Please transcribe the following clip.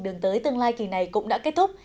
đường tới tương lai kỳ này cũng đã kết thúc